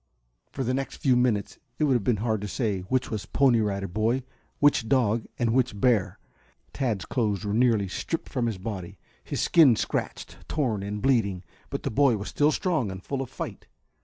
For the next few minutes it would have been hard to say which was Pony Rider Boy, which dog and which bear. Tad's clothes were nearly stripped from his body, his skin scratched, torn and bleeding. But the boy was still strong and full of fight.